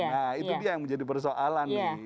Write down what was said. nah itu dia yang menjadi persoalan nih